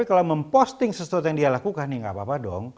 kalau memposting sesuatu yang dia lakukan nih gak apa apa dong